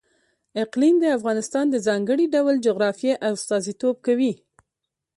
اقلیم د افغانستان د ځانګړي ډول جغرافیه استازیتوب کوي.